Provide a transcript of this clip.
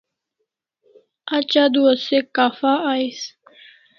Aj adua se kapha ais